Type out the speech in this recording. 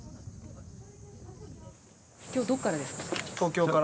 今日どこからですか？